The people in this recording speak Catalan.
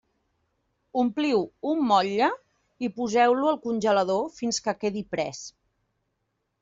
Ompliu un motlle i poseu-lo al congelador fins que quedi pres.